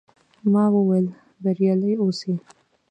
ما وویل، بریالي اوسئ.